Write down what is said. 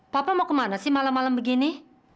papa mau kemana sih malam malam begini